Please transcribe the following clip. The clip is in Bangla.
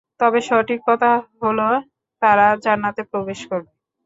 তবে সঠিক কথা হলো, তারা জান্নাতে প্রবেশ করবে।